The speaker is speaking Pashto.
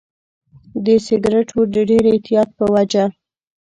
د سیګریټو د ډېر اعتیاد په وجه.